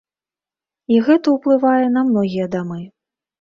І гэта ўплывае на многія дамы.